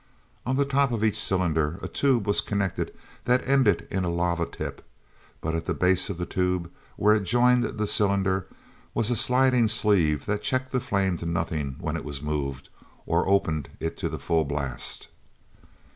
On the top of each cylinder a tube was connected that ended in a lava tip; but at the base of the tube, where it joined the cylinder, was a sliding sleeve that checked the flame to nothing when it was moved, or opened it to the full blast.